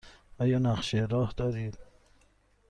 آیا نقشه راه دارید؟